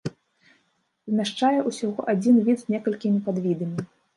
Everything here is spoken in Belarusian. Змяшчае ўсяго адзін від з некалькімі падвідамі.